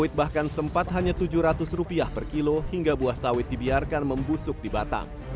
sehingga harga sawit bahkan sempat hanya rp tujuh ratus per kilo hingga buah sawit dibiarkan membusuk di batang